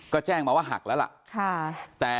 ก็แจ้งมาว่าหักแล้วล่ะ